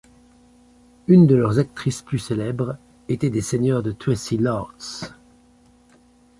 Une de leurs actrices plus célèbres était des seigneurs de Traci Lords.